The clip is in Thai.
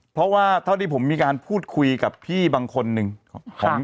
เพราะว่าเท่าที่ผมมีการพูดคุยกับพี่บางคนหนึ่งของ